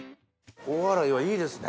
大洗はいいですね